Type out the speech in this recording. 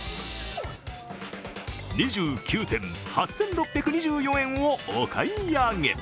２９点、８６２４円をお買い上げ。